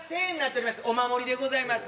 お守りでございます。